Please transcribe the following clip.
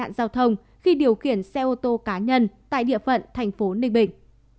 ông là một người đàn ông tài năng khóa nhân tại địa phận thành phố ninh bình